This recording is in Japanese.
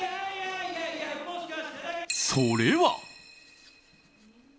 それは。